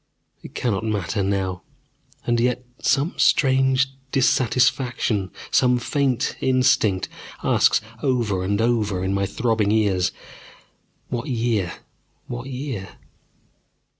It cannot matter now. And yet some vague dissatisfaction, some faint instinct, asks over and over in my throbbing ears: What year? What year?